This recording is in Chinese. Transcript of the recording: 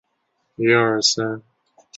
云南山壳骨为爵床科山壳骨属的植物。